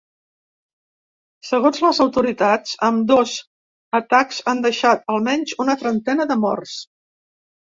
Segons les autoritats, ambdós atacs han deixat almenys una trentena de morts.